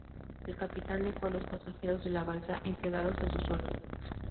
El capitán dejó a los pasajeros de la balsa entregados a su suerte.